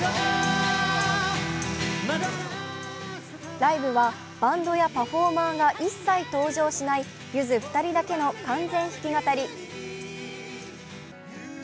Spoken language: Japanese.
ライブはバンドやパフォーマーが一切登場しないゆず２人だけの完全弾き語り。